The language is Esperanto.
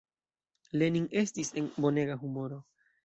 Lenin estis en bonega humoro.